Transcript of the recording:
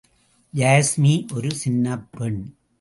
யாஸ்மி ஒரு சின்னப் பெண்.